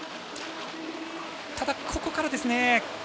ここからですね。